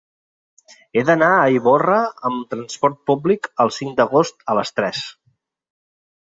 He d'anar a Ivorra amb trasport públic el cinc d'agost a les tres.